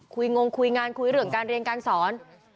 งงคุยงานคุยเรื่องการเรียนการสอน